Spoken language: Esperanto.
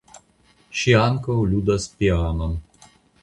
Ŝi ankaŭ ludas pianon.